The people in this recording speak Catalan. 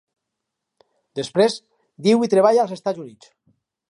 Després, viu i treballa als Estats Units.